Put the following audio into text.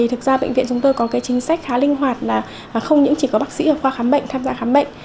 thực ra bệnh viện chúng tôi có chính sách khá linh hoạt là không những chỉ có bác sĩ ở khoa khám bệnh tham gia khám bệnh